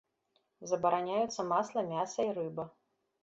Забараняюцца масла, мяса й рыба.